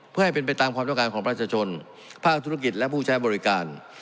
เพื่อให้เป็นไปตามความต้องการของประชาชนภาคธุรกิจและผู้ใช้บริการ